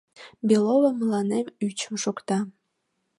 — Белова мыланем ӱчым шукта.